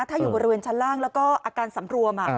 ถ้าอยู่บริเวณชั้นล่างแล้วก็อาการสำรวม